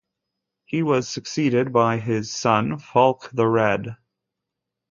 He was succeeded by his son Fulk the Red.